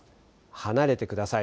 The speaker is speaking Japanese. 離れてください。